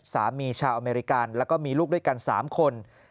ชาวอเมริกันแล้วก็มีลูกด้วยกัน๓คน